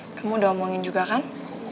kamu udah omongin juga kan